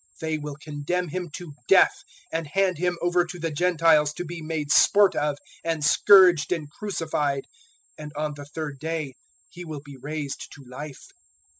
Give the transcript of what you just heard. They will condemn Him to death, 020:019 and hand Him over to the Gentiles to be made sport of and scourged and crucified; and on the third day He will be raised to life."